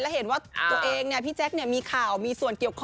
เห็นว่าตัวเองพี่แจ๊คมีข่าวมีส่วนเกี่ยวข้อง